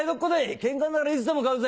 ケンカならいつでも買うぜ！